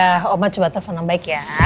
yaudah oma coba telepon om baik ya